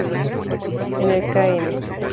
En el Km.